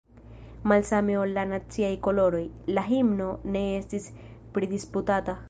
Malsame ol la naciaj koloroj, la himno ne estis pridisputata.